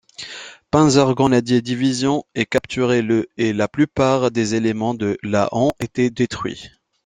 Panzergrenadier-Division, est capturé le et la plupart des éléments de la ont été détruits.